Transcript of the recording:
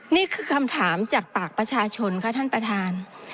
นี่คือคำถามจากปากประชาชนค่ะท่านประธาน